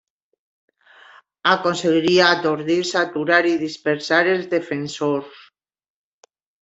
Aconseguiria atordir, saturar i dispersar els defensors.